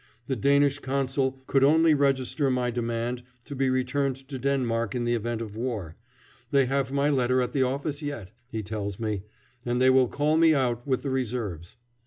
The Danish Consul could only register my demand to be returned to Denmark in the event of war. They have my letter at the office yet, he tells me, and they will call me out with the reserves.